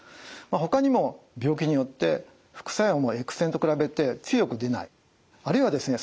ほかにも病気によって副作用もＸ線と比べて強く出ないあるいはですね